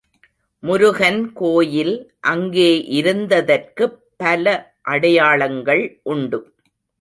முருகன் கோயில் அங்கே இருந்ததற்குப் பல அடையாளங்கள் உண்டு.